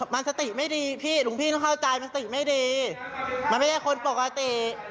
มันสติไม่ดีพี่หลวงพี่ต้องเข้าใจมันสติไม่ดีมันไม่ใช่คนปกติ